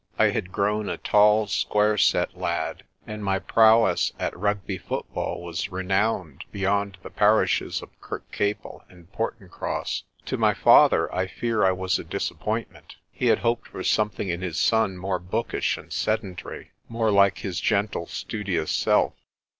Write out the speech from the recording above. I had grown a tall, square set lad, and my prowess at Rugby football was renowned beyond the parishes of Kirkcaple and Portincross. To my father I fear I was a disappointment. He had hoped for something in his son more bookish and sedentary, more like his gentle, studious self.